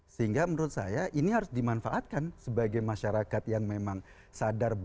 sehingga menurut saya ini harus dimanfaatkan sebagai masyarakat yang memang sadar